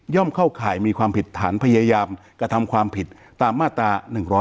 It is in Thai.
เข้าข่ายมีความผิดฐานพยายามกระทำความผิดตามมาตรา๑๕